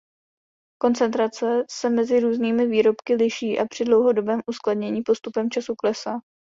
Koncentrace se mezi různými výrobky liší a při dlouhodobém uskladnění postupem času klesá.